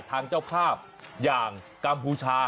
ทางเจ้าภาพอย่างกัมพูชา